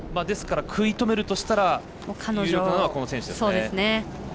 ですから、食い止めるとしたら有力なのはこの選手ですね。